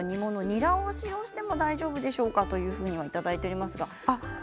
ニラを使用しても大丈夫でしょうかというふうにいただいています。